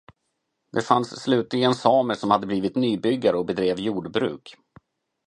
Det fanns slutligen samer som hade blivit nybyggare och bedrev jordbruk.